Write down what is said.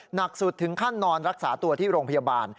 หนักสุดถึงขั้นนอนรักษาตัวที่โรงพยาบาล